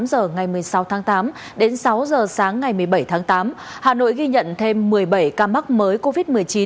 một mươi tám h ngày một mươi sáu tháng tám đến sáu h sáng ngày một mươi bảy tháng tám hà nội ghi nhận thêm một mươi bảy ca mắc mới covid một mươi chín